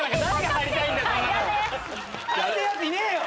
貼りたいやついねぇよ！